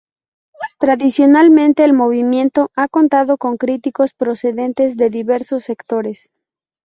Tradicionalmente el movimiento ha contado con críticos procedentes de diversos sectores.